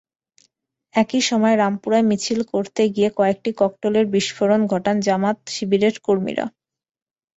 একই সময়ে রামপুরায় মিছিল করতে গিয়ে কয়েকটি ককটেলের বিস্ফোরণ ঘটান জামায়াত-শিবিরের কর্মীরা।